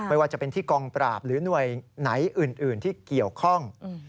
ไม่ว่าจะเป็นที่กองปราบหรือหน่วยไหนอื่นที่เกี่ยวข้อง